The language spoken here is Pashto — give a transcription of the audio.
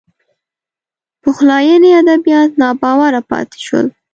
پخلاینې ادبیات ناباوره پاتې شول